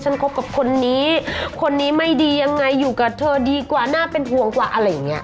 คบกับคนนี้คนนี้ไม่ดียังไงอยู่กับเธอดีกว่าน่าเป็นห่วงกว่าอะไรอย่างเงี้